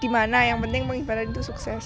mana yang penting pengibaran itu sukses